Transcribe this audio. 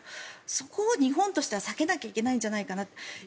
そこを日本としては避けなければいけないんじゃないかなと。